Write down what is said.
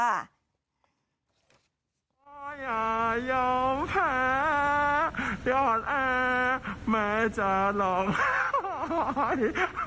อย่ายอมแพ้อย่าหอดแอแม่จะร้องไห้